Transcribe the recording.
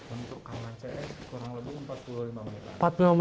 untuk kamar cs kurang lebih empat puluh lima menit